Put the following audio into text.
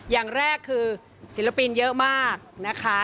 อย่างแรกคือศิลปินเยอะมากนะคะ